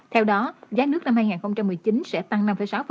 theo đó giá nước năm hai nghìn một mươi chín sẽ tăng năm sáu